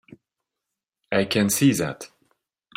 I can see that.